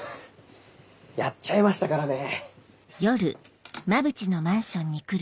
やっちゃいましたからね。